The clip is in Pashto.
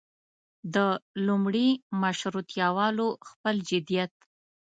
د لومړي مشروطیه والو خپل جديت.